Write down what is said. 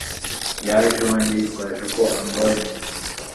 Yaje iwanjye yitwaza ko ambonye.